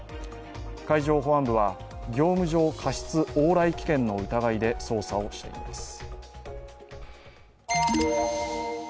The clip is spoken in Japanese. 海上保安部は、業務上過失往来危険の疑いで捜査をしています。